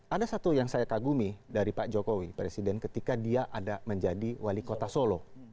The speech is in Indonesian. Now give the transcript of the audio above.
ada satu yang saya kagumi dari pak jokowi presiden ketika dia ada menjadi wali kota solo